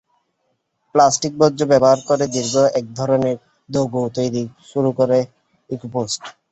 Plastic বর্জ্য ব্যবহার করে দীর্ঘ একধরনের দণ্ড তৈরি শুরু করে ইকোপোস্ট।